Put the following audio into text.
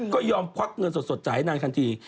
ก็ยอมควักเงินสดจ่ายให้นางทันที